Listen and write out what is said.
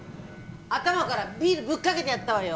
頭からビールぶっかけてやったわよ。